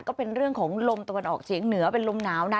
ก็เป็นเรื่องของลมตะวันออกเฉียงเหนือเป็นลมหนาวนะ